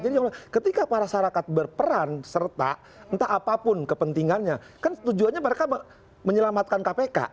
jadi ketika para masyarakat berperan serta entah apapun kepentingannya kan tujuannya mereka menyelamatkan kpk